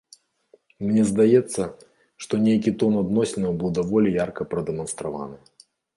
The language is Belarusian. Мне здаецца, што нейкі тон адносінаў быў даволі ярка прадэманстраваны.